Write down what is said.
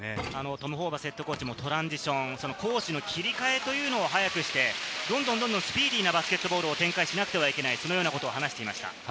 トム・ホーバスＨＣもトランジション、攻守の切り替えを早くして、どんどんスピーディーなバスケットボールを展開しなきゃいけないと話していました。